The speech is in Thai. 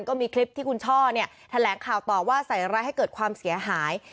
ก็มีคลิปที่คุณช่อเนี่ยแถลงข่าวต่อว่าใส่ร้ายให้เกิดความเสียหาย